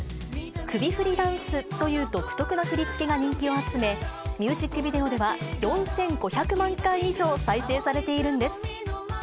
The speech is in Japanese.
首振りダンスという独特な振り付けを人気を集め、ミュージックビデオでは、４５００万回以上再生されているんです。